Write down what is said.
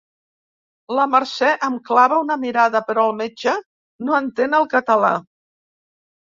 La Mercè em clava una mirada, però el metge no entén el català.